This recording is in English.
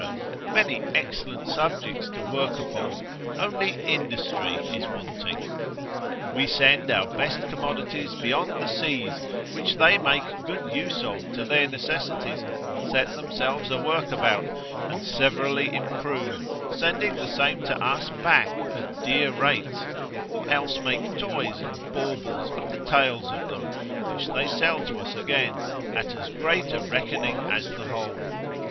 many excellent subjects to work upon, only industry is wanting. We send our best commodities beyond the seas, which they make good use of to their necessities, set themselves a work about, and severally improve, sending the same to us back at dear rates, or else make toys and baubles of the tails of them, which they sell to us again, at as great a reckoning as the whole.